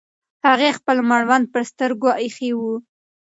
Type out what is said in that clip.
هغې خپل مړوند پر سترګو ایښی و.